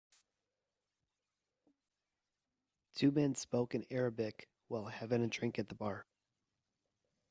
Two men spoke in Arabic while having a drink at the bar.